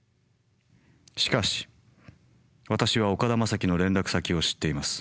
しかし私は岡田将生の連絡先を知っています。